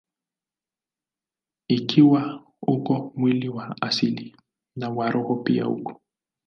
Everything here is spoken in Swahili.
Ikiwa uko mwili wa asili, na wa roho pia uko.